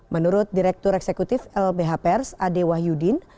menurut direktur eksekutif lbh pers ade wahyudin